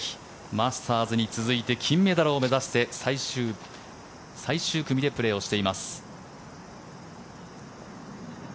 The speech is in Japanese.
マスターズに続いて金メダルを目指して最終組でプレーをしています。